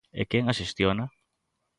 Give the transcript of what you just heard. ¿E quen a xestiona?